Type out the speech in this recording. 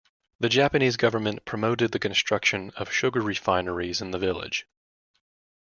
The Japanese government promoted the construction of sugar refineries in the village.